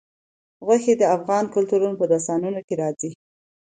غوښې د افغان کلتور په داستانونو کې راځي.